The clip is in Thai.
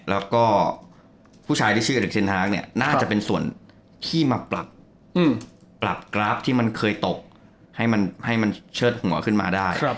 แล้วก็ผู้ชายที่ชื่อเด็กเซ็นฮาร์กเนี่ยน่าจะเป็นส่วนที่มาปรับกราฟที่มันเคยตกให้มันเชิดหัวขึ้นมาได้